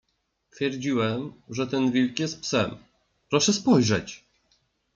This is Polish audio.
twierdziłem, że ten wilk jest psem. Proszę spojrzeć!